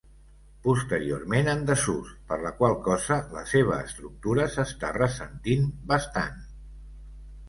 Posteriorment en desús, per la qual cosa la seva estructura s'està ressentint bastant.